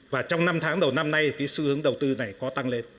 và trong năm tháng đầu năm nay cái xu hướng đầu tư này có tăng lên